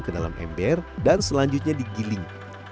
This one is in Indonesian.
ke dalam ember dan selanjutnya digiling